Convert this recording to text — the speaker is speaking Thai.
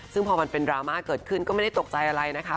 ซึ่งพอมันเป็นดราม่าเกิดขึ้นก็ไม่ได้ตกใจอะไรนะคะ